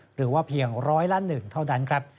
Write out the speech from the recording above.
หรือว่าเพียง๑๐๐ล้านหนึ่งเท่านั้น